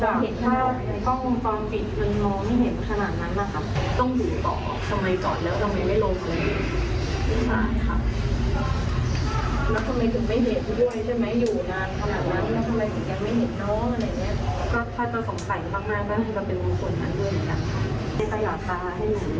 คือทำให้เราเห็นไหมว่าคือน้องกำลังขอขอบความช่วยเหลือที่ด้านใน